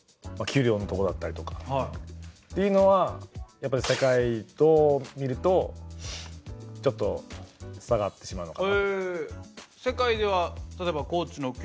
やっぱり世界と見るとちょっと差があってしまうのかな？